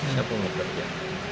siapa mau kerja